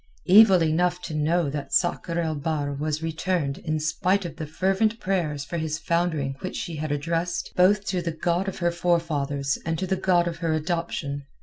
Evil enough to know that Sakr el Bahr was returned in spite of the fervent prayers for his foundering which she had addressed both to the God of her forefathers and to the God of her adoption.